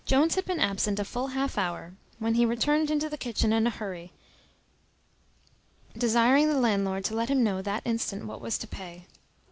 Jones had been absent a full half hour, when he returned into the kitchen in a hurry, desiring the landlord to let him know that instant what was to pay.